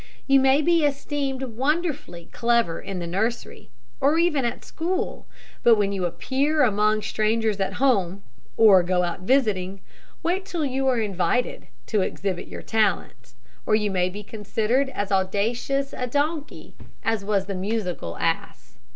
You may be esteemed wonderfully clever in the nursery, or even at school; but when you appear among strangers at home, or go out visiting, wait till you are invited to exhibit your talents, or you may be considered as audacious a donkey as was the musical ass.